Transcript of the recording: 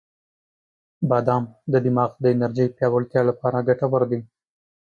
• بادام د دماغ د انرژی پیاوړتیا لپاره ګټور دی.